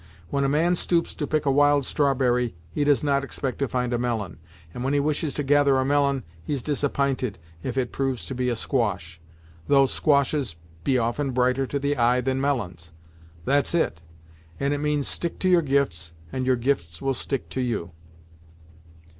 When a man stoops to pick a wild strawberry, he does not expect to find a melon; and when he wishes to gather a melon, he's disapp'inted if it proves to be a squash; though squashes be often brighter to the eye than melons. That's it, and it means stick to your gifts, and your gifts will stick to you."